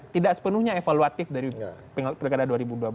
tidak sepenuhnya evaluatif dari peringkatan dua ribu dua belas